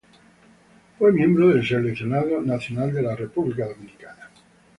Fue miembro del seleccionado nacional de República Dominicana.